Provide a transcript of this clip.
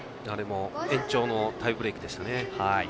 延長のタイブレークでしたね。